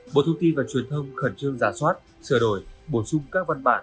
bộ thông tin và truyền thông khẩn trương giả soát sửa đổi bổ sung các văn bản